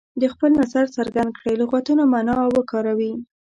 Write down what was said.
د خپل نظر څرګند کړئ لغتونه معنا او وکاروي.